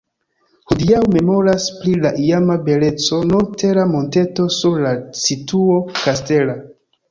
Hodiaŭ memoras pri la iama beleco nur tera monteto sur la situo kastela.